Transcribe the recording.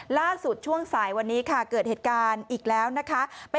ล่าสุดช่วงสายวันนี้ค่ะเกิดเหตุการณ์อีกแล้วนะคะ